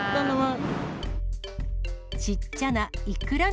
ちっちゃいイクラ。